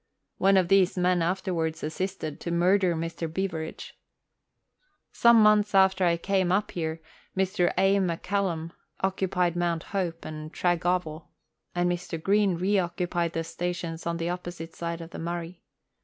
One of these men afterwards assisted ta murder Mr. Beveridge. Some months after I came up here, Mr. A. McCallum occupied Mount Hope and Tragowel, and Mr. Greene re occupied the stations on the opposite side of the Murray.